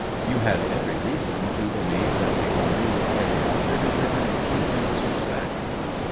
You had every reason to believe that the army would carry oat their determination in this respect